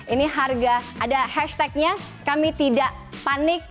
ini harga ada hashtagnya kami tidak panik